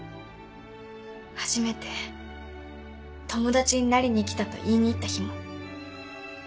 初めて「友達になりに来た」と言いに行った日も。